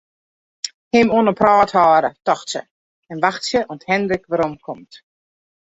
Him oan 'e praat hâlde, tocht se, en wachtsje oant Hindrik weromkomt.